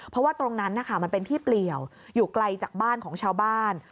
เพราะว่าตรงนั้นนะคะมันเป็นที่เปลี่ยวอยู่ไกลจากบ้านของชาวบ้าน